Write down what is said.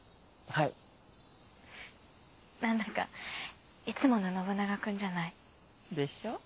フッ何だかいつもの信長君じゃない。でしょ？